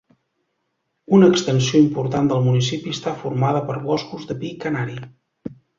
Una extensió important del municipi està formada per boscos de pi canari.